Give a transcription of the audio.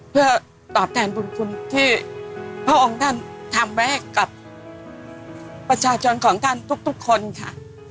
เพื่อตอบแทนบุญคุณที่พระองค์ท่านทำไว้ให้กับประชาชนของท่านทุกคนค่ะ